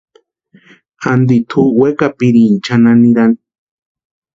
Anti tʼu wekapirini chʼanani nirani.